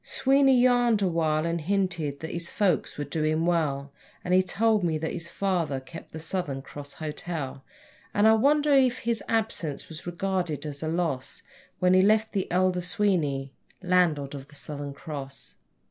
Sweeney yarned awhile and hinted that his folks were doing well, And he told me that his father kept the Southern Cross Hotel; And I wondered if his absence was regarded as a loss When he left the elder Sweeney landlord of the Southern Cross.